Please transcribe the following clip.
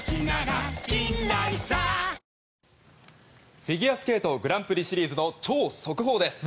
フィギュアスケートグランプリシリーズの超速報です。